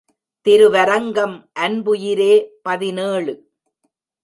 திருவரங்கம் அன்புயிரே பதினேழு.